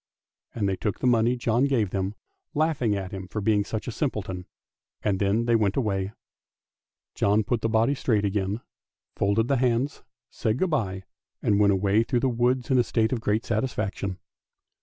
" And they took the money John gave them, laughing at him for being such a simpleton, and then they went away. John THE TRAVELLING COMPANIONS 369 put the body straight again, folded the hands, said good bye, and went away through the woods in a state of great satisfaction.